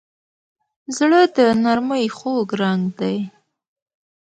زړه د نرمۍ خوږ رنګ دی.